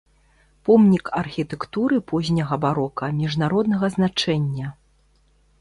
Помнік архітэктуры позняга барока міжнароднага значэння.